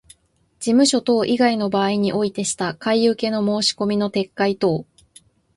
事務所等以外の場所においてした買受けの申込みの撤回等